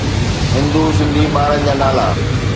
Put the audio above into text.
هِندُو سنڌي ٻارن جا نالا